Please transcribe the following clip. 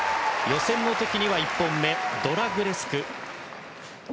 予選の時には１本目、ドラグレスク。